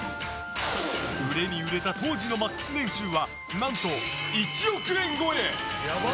売れに売れた当時のマックス年収は何と１億円超え！